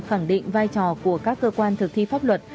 khẳng định vai trò của các cơ quan thực thi pháp luật